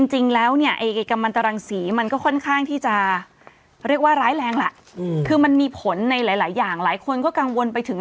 จริงแล้วเนี่ยไอ้กำลังตรังสีมันก็ค่อนข้างที่จะเรียกว่าร้ายแรงแหละคือมันมีผลในหลายอย่างหลายคนก็กังวลไปถึง